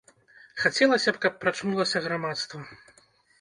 Хацелася б, каб прачнулася грамадства.